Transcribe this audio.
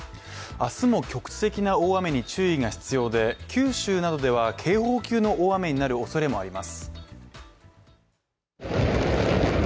明日も局地的な大雨に注意が必要で、九州などでは警報級の大雨になるおそれがあります。